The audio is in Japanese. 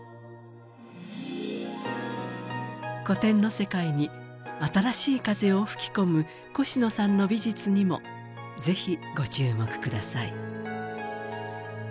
古典の世界に新しい風を吹き込むコシノさんの美術にも是非ご注目ください。